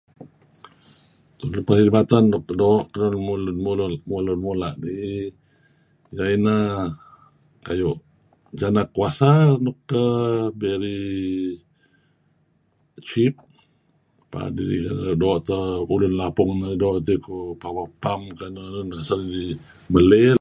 Perkhidmatan nuk doo' ngen lun mula' iyeh ineh kayu' jana kuasa nuk err very cheap, doo' teh ulun lapung narih, doo' tikoh [unintelligible] asal dih meley lah.